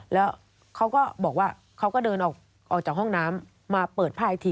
แล้วเขาก็บอกว่าเขาก็เดินออกจากห้องน้ำมาเปิดผ้าอีกที